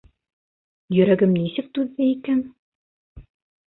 Йөрәгем нисек түҙҙе икән?